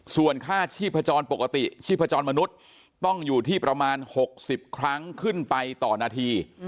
ส่วนค่าชีพจรปกติชีพจรมนุษย์ต้องอยู่ที่ประมาณ๖๐ครั้งขึ้นไปต่อนาที